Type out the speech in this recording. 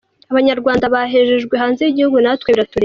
Abanyarwanda bahejejwe hanze y’igihugu natwe biratureba.